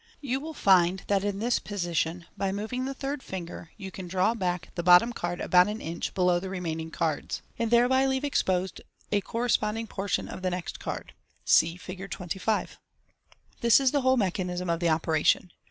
You will rind that in this position, bv moving the third finger, you can draw back tru; bottom card about <m inch below the remaining cards, and MODERN MAGIC. 3? thereby leave exposed a corresponding portion of the next card. (Set Fig. 25.) This is the whole mechanism of the operation.